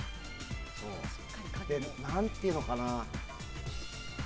何ていうのかな。